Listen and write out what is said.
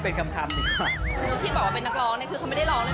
เป็นการพูดแล้วเอาเป็นแปะอะไรอย่างนี้